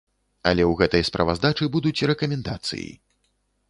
Але ў гэтай справаздачы будуць рэкамендацыі.